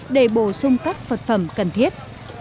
để bổ sung các phật phẩm cần thiết